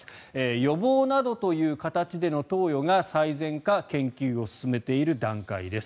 予防などという形での投与が最善か研究を進めている段階です。